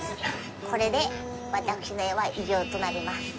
これで私の絵は以上となります。